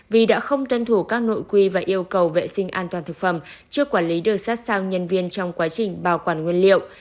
vì đã không tuân thủ các nội quy và yêu cầu vệ sinh an toàn thực phẩm chưa quản lý được sát sao nhân viên trong quá trình bảo quản nguyên liệu